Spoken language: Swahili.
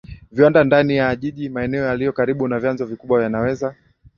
viwanda Ndani ya jiji maeneo yaliyo karibu na vyanzo vikubwa yanaweza